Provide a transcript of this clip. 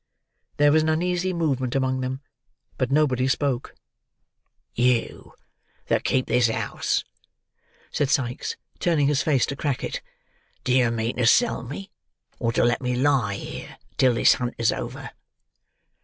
There was an uneasy movement among them, but nobody spoke. "You that keep this house," said Sikes, turning his face to Crackit, "do you mean to sell me, or to let me lie here till this hunt is over?"